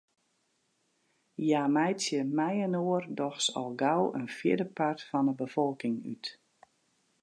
Hja meitsje mei-inoar dochs al gau in fjirdepart fan 'e befolking út.